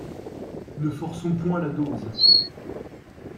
Ne forçons point la dose.